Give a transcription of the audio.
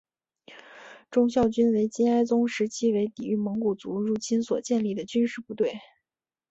忠孝军为金哀宗时期为抵御蒙古族入侵所建立的军事部队。